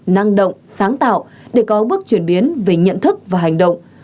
năng động sáng tạo để có bước chuyển biến về nhận thức và hành động